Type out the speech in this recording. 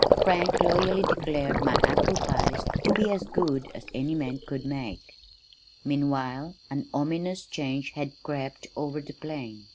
Frank loyally declared my apple pies to be as good as any man could make. Meanwhile an ominous change had crept over the plain.